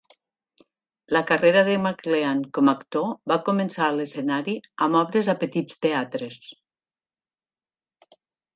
La carrera de McLean con actor va començar a l"escenari amb obres a petits teatres.